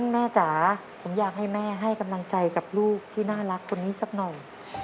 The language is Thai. แม่จ๋าผมอยากให้แม่ให้กำลังใจกับลูกที่น่ารักคนนี้สักหน่อย